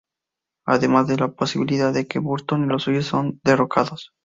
Además de la posibilidad de que Burton y los suyos sean derrocados.